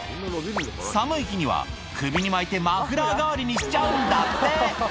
寒い日には、首に巻いて、マフラー代わりにしちゃうんだって。